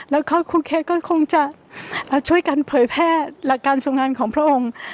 แล้วก็ครูเค้กก็คงจะช่วยกันเผยแพร่หลักการทรงงานของพระองค์